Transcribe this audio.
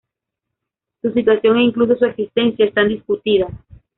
Su situación e incluso su existencia están discutidas.